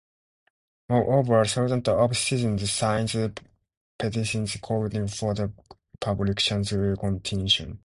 Moreover, thousands of citizens signed petitions calling for the publication's continuation.